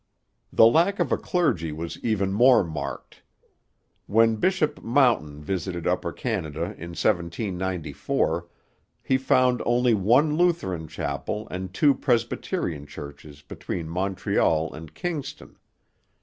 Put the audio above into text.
The lack of a clergy was even more marked. When Bishop Mountain visited Upper Canada in 1794, he found only one Lutheran chapel and two Presbyterian churches between Montreal and Kingston.